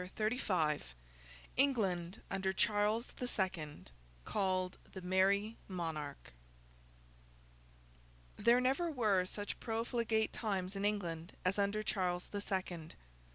CHAPTER XXXV ENGLAND UNDER CHARLES THE SECOND, CALLED THE MERRY MONARCH There never were such profligate times in England as under Charles the Second.